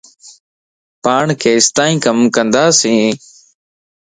پاڻ ڪيستائي ڪم ڪنداسين